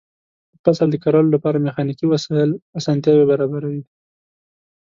د فصل د کرلو لپاره میخانیکي وسایل اسانتیاوې برابروي.